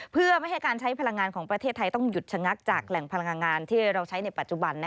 เพื่อไม่ให้การใช้พลังงานของประเทศไทยต้องหยุดชะงักจากแหล่งพลังงานที่เราใช้ในปัจจุบัน